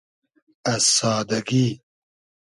از سادئگی